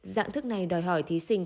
dạng thức này đòi hỏi thí sinh